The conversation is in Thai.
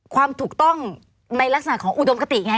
ความถูกต้องในลักษณะของอุดมคติไง